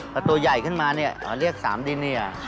แต่ตัวใหญ่ขึ้นมาเรียก๓ดิเนียร์